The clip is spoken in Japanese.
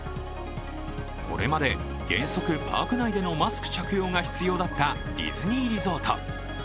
これまで原則パーク内でのマスク着用が必要だったディズニーリゾート。